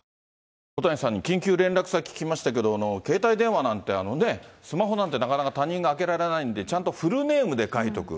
小谷さんに緊急連絡先を聞きましたけど、携帯電話なんて、スマホなんてなかなか他人が開けられないんで、ちゃんとフルネームで書いておく。